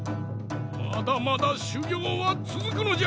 まだまだしゅぎょうはつづくのじゃ！